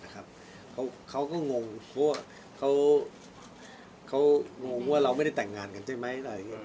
เขาก็งงว่าเราไม่ได้แต่งงานกันใช่ไหม